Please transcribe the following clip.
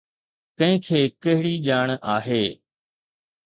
ڪنهن کي ڪهڙي ڄاڻ آهي؟